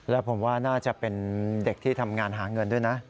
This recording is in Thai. แล้วผมว่าน่าจะเป็นเด็กที่ทำงานหาเงินด้วยนะ